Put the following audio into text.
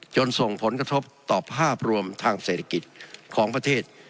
ส่งผลกระทบต่อภาพรวมทางเศรษฐกิจของประเทศ